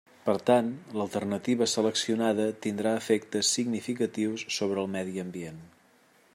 Per tant, l'alternativa seleccionada tindrà efectes significatius sobre el medi ambient.